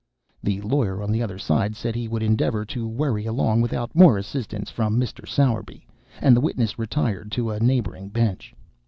The lawyer on the other side said he would endeavor to worry along without more assistance from Mr. Sowerby, and the witness retired to a neighboring bench.